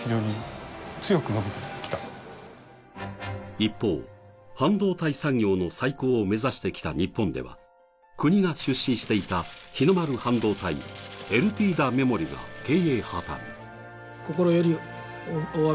一方、半導体産業の再興を目指してきた日本では、国が出資していた日の丸半導体エルピーダメモリが経営破綻。